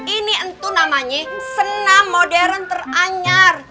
ini entu namanya senang modern teranyar